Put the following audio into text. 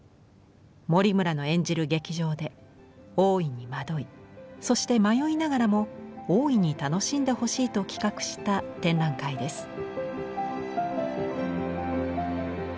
森村の演じる劇場で大いに惑いそして迷いながらも大いに楽しんでほしいと企画した展覧会です。